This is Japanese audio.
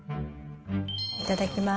いただきます。